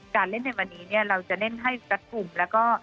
เล่นในวันนี้เนี่ยเราจะเล่นให้รัดกลุ่มแล้วก็